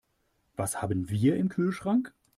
Was haben wir im Kühlschrank?